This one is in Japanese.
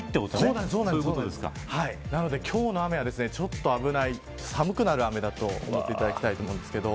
だから今日の雨はちょっと危ない、寒くなる雨だと思っていただきたいと思います。